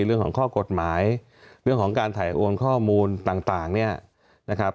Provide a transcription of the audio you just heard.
เรื่องของข้อกฎหมายเรื่องของการถ่ายโอนข้อมูลต่างเนี่ยนะครับ